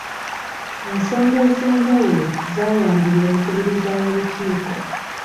Ensonga ez'enjawulo zaayanjulwa omukubiriza w'olukiiko.